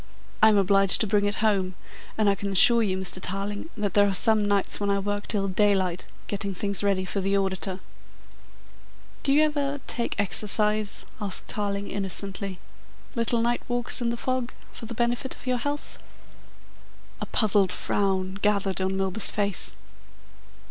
I am obliged to bring it home, and I can assure you, Mr. Tarling, that there are some nights when I work till daylight, getting things ready for the auditor." "Do you ever take exercise?" asked Tarling innocently. "Little night walks in the fog for the benefit of your health?" A puzzled frown gathered on Milburgh's face.